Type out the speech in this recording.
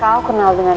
kalau aku masih masukan